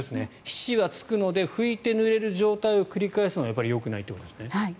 皮脂はつくので拭いてぬれる状態を繰り返すのはよくないということですね。